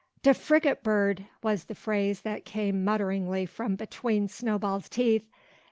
"De frigate bird!" was the phrase that came mutteringly from between Snowball's teeth.